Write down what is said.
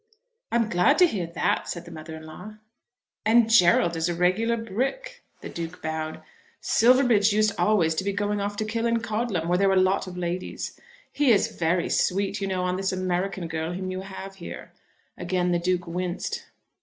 "I am glad to hear that," said the mother in law. "And Gerald is a regular brick." The Duke bowed. "Silverbridge used always to be going off to Killancodlem, where there were a lot of ladies. He is very sweet, you know, on this American girl whom you have here." Again the Duke winced.